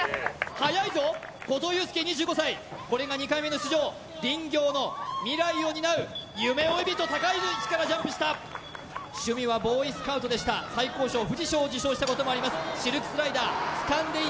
はやいぞ後藤祐輔２５歳これが２回目の出場林業の未来を担う夢追い人高い位置からジャンプした趣味はボーイスカウトでした最高章富士章を受章したこともあります